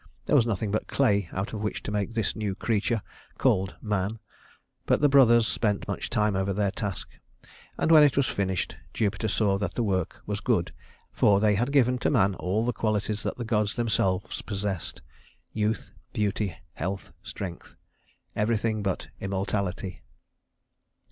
There was nothing but clay out of which to make this new creature called man, but the brothers spent much time over their task, and, when it was finished, Jupiter saw that the work was good, for they had given to man all the qualities that the gods themselves possessed youth, beauty, health, strength, everything but immortality.